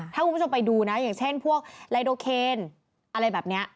ถ้าคุณผู้ชมไปดูนะอย่างเช่นพวกไลโดเคนอะไรแบบนี้